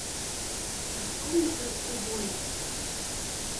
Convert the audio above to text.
Сахькылнагаз убоит.